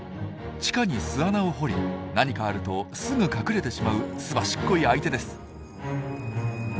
地下に巣穴を掘り何かあるとすぐ隠れてしまうすばしっこい相手です。